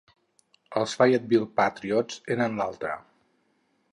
Els Fayetteville Patriots eren l'altre.